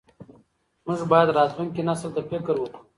موږ باید راتلونکي نسل ته فکر وکړو.